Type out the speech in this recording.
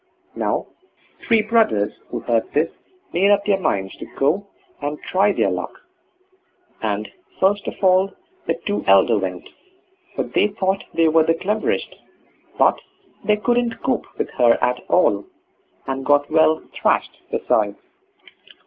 Now, three brothers, who heard this, made up their minds to go and try their luck; and first of all the two elder went, for they thought they were the cleverest; but they couldn't cope with her at all, and got well thrashed besides.